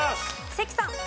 関さん。